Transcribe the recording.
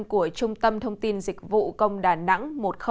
của trung tâm thông tin dịch vụ công đà nẵng một nghìn hai mươi hai